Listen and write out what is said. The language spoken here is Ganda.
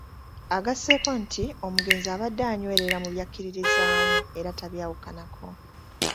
Agasseeko nti omugenzi abadde anywerera mu byakkiririzaamu era tabyawukanako.